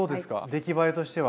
出来栄えとしては。